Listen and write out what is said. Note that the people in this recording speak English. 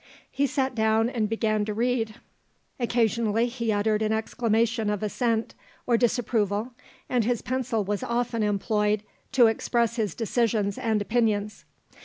He sat down and began to read. Occasionally he uttered an exclamation of assent or disapproval, and his pencil was often employed to express his decisions and opinions.